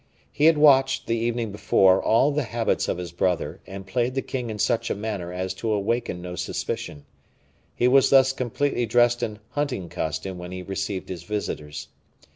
He had watched, the evening before, all the habits of his brother, and played the king in such a manner as to awaken no suspicion. He was thus completely dressed in hunting costume when he received his visitors.